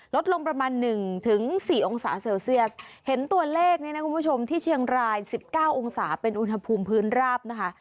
ลดลงประมาณหนึ่งถึงสี่องศาเซลเซียสเห็นตัวเลขเนี่ยนะคุณผู้ชมที่เชียงราย๑๙องศาเป็นอุณหภูมิพื้นราบนะคะ